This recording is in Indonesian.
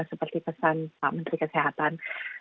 seperti pesan pak menteri kesehatan